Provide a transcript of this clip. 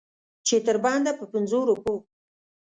چې تر بنده په پنځو روپو.